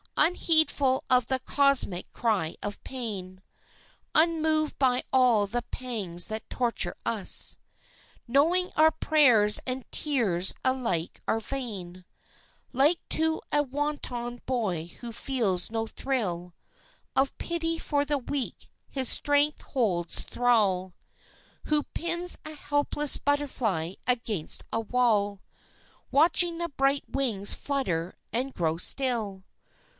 Unheedful of the cosmic cry of pain, Unmoved by all the pangs that torture us, Knowing our prayers and tears alike are vain Like to a wanton boy who feels no thrill Of pity for the weak his strength holds thrall, Who pins a helpless butterfly against a wall, Watching the bright wings flutter and grow still.